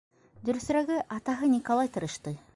Дөрөҫөрәге, атаһы Николай тырышты.